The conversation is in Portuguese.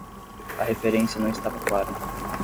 A referência não estava clara